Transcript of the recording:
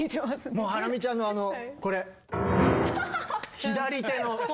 もうハラミちゃんのあのこれ。